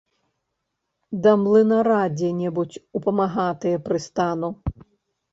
Да млынара дзе-небудзь у памагатыя прыстану.